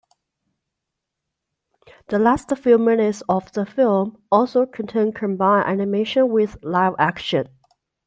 The last few minutes of the film also contain combine animation with live-action.